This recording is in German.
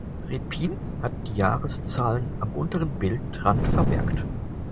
Repin hat die Jahreszahlen am unteren Bildrand vermerkt.